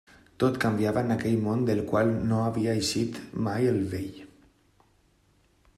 Tot canviava en aquell món del qual no havia eixit mai el vell.